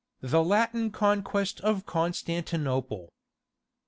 THE LATIN CONQUEST OF CONSTANTINOPLE.